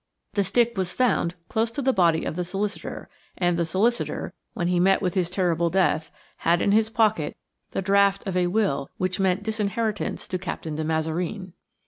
The stick was found close to the body of the solicitor; and the solicitor, when he met with his terrible death, had in his pocket the draft of a will which meant disinheritance to Captain de Mazareen.